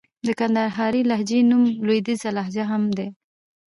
د کندهارۍ لهجې نوم لوېديځه لهجه هم دئ.